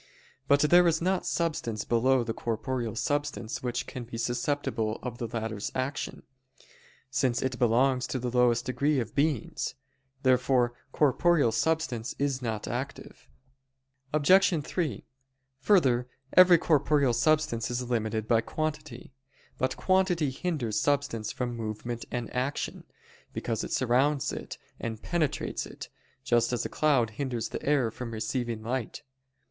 But there is not substance below the corporeal substance which can be susceptible of the latter's action; since it belongs to the lowest degree of beings. Therefore corporeal substance is not active. Obj. 3: Further, every corporeal substance is limited by quantity. But quantity hinders substance from movement and action, because it surrounds it and penetrates it: just as a cloud hinders the air from receiving light.